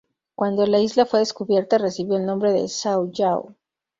Cuando la isla fue descubierta recibió el nombre de "São João".